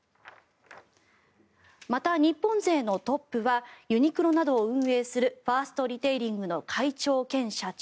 また、日本勢のトップはユニクロなどを運営するファーストリテイリングの会長兼社長